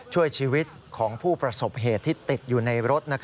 ช่วยชีวิตของผู้ประสบเหตุที่ติดอยู่ในรถ